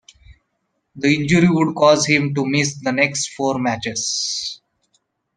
The injury would cause him to miss the next four matches.